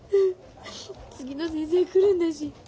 次の先生来るんだし。